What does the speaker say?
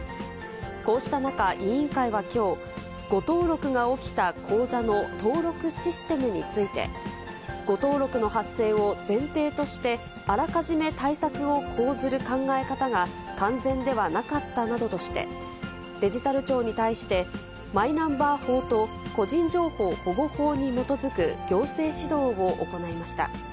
こうした中、委員会はきょう、誤登録が起きた口座の登録システムについて、誤登録の発生を前提としてあらかじめ対策を講ずる考え方が完全ではなかったなどとして、デジタル庁に対して、マイナンバー法と個人情報保護法に基づく行政指導を行いました。